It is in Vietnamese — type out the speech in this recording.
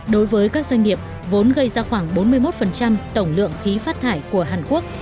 đối với các doanh nghiệp vốn gây ra khoảng bốn mươi một tổng lượng khí phát thải của hàn quốc